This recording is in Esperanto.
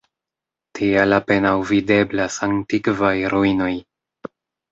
Tial apenaŭ videblas antikvaj ruinoj.